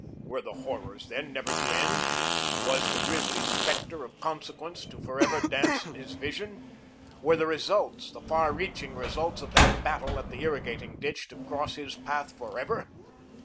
Were the horrors, then, never to end? Was the grisly spectre of consequence to forever dance in his vision? Were the results, the far reaching results of that battle at the irrigating ditch to cross his path forever?